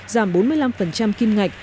giảm bốn mươi năm kim ngạch